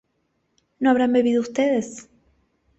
¿no habrán bebido ustedes?